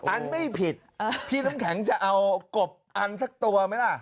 อันไม่ผิดพี่น้ำแข็งจะเอากบอันสักตัวไหมล่ะ